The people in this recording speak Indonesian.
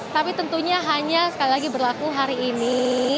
tapi tentunya hanya sekali lagi berlaku hari ini